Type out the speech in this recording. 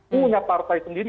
punya partai sendiri